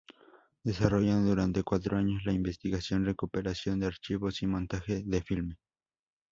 Desarrollan durante cuatro años la investigación, recuperación de archivos y montaje del filme.